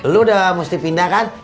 lu udah mesti pindah kan